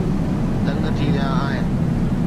تنگ ٿي ويا آهن